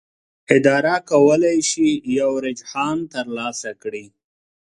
اداره کولی شي یو رجحان ترلاسه کړي.